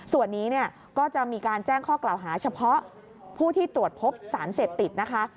ส่วนนี้เนี่ยก็จะมีการแจ้งข้อกล่าวหาเฉพาะผู้ที่ตรวจพบสารเสพติดนะคะ